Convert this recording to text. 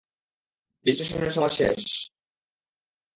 রেজিস্ট্রেশনের সময় শেষ।